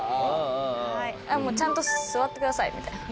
「ちゃんと座ってください」みたいな。